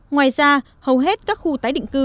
ngoài ra hầu hết các khu tái định cư